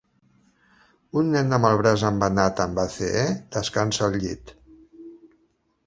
Un nen amb el braç embenat amb ACE descansa al llit.